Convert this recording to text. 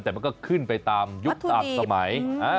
แต่มันก็ขึ้นไปตามยุคตามสมัย